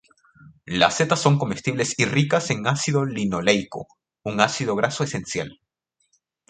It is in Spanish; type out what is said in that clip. Las setas son comestibles y ricas en ácido linoleico, un ácido graso esencial.